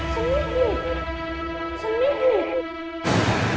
สมิงคุณ